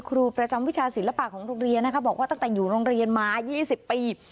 ครูประจำวิชาศิลปะของโรงเรียนนะคะบอกว่าตั้งแต่อยู่โรงเรียนมา๒๐ปี